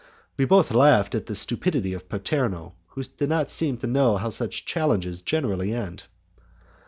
We both laughed at the stupidity of Paterno, who did not seem to know how such challenges generally end.